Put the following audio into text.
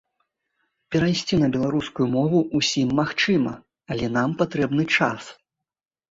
Перайсці на беларускую мову ўсім магчыма, але нам патрэбны час.